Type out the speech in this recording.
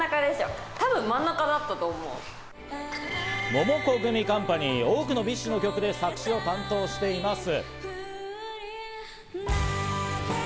モモコグミカンパニー、多くのＢｉＳＨの曲で作詞を担当しています。